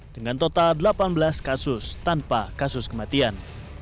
dengan total delapan belas kasus tanpa kasus kematian